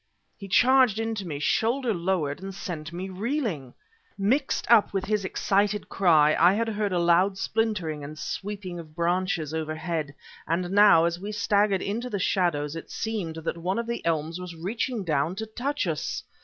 He charged into me, shoulder lowered, and sent me reeling! Mixed up with his excited cry I had heard a loud splintering and sweeping of branches overhead; and now as we staggered into the shadows it seemed that one of the elms was reaching down to touch us!